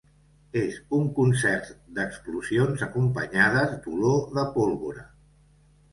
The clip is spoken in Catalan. És un concert d’explosions acompanyades d’olor de pólvora.